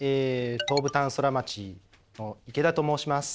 東武タウンソラマチの池田と申します。